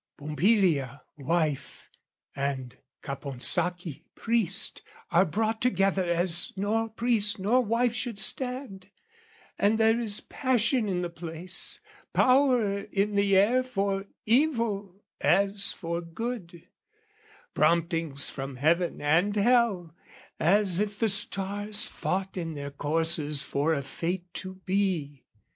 Pompilia, wife, and Caponsacchi, priest, Are brought together as nor priest nor wife Should stand, and there is passion in the place, Power in the air for evil as for good, Promptings from heaven and hell, as if the stars Fought in their courses for a fate to be.